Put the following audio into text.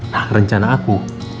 nah rencana aku